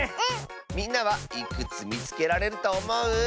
みんなはいくつみつけられるとおもう？